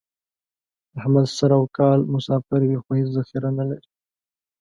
احمد سر او کال مسافر وي، خو هېڅ ذخیره نه لري.